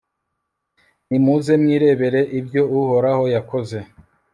nimuze mwirebere ibyo uhoraho yakoze